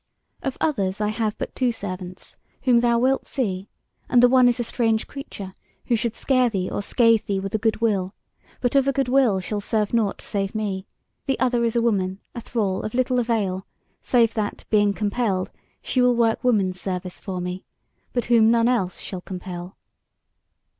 Of others I have but two servants, whom thou wilt see; and the one is a strange creature, who should scare thee or scathe thee with a good will, but of a good will shall serve nought save me; the other is a woman, a thrall, of little avail, save that, being compelled, she will work woman's service for me, but whom none else shall compel